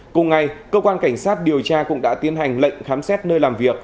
cùng ngày cơ quan cảnh sát điều tra cũng đã tiến hành lệnh khám xét nơi làm việc